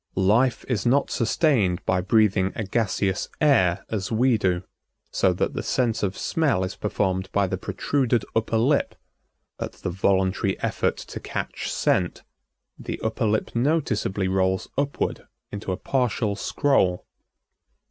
Life is not sustained by breathing a gaseous air as we do, so that the sense of smell is performed by the protruded upper lip. At the voluntary effort to catch scent the upper lip noticeably rolls upward into a partial scroll.